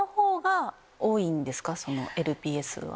ＬＰＳは。